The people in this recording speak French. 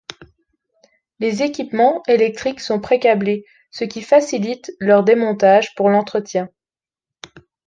Les équipements électriques sont pré-câblés, ce qui facilite leur démontage pour l'entretien.